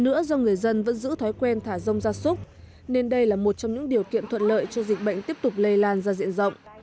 nữa do người dân vẫn giữ thói quen thả rông gia súc nên đây là một trong những điều kiện thuận lợi cho dịch bệnh tiếp tục lây lan ra diện rộng